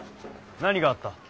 何があった？